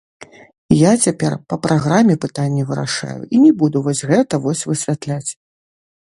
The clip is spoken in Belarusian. Я цяпер па праграме пытанні вырашаю і не буду вось гэта вось высвятляць.